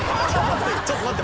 ちょっと待って。